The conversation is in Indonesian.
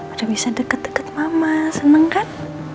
udah bisa deket deket mama seneng kan